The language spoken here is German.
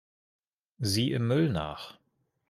Sieh im Müll nach.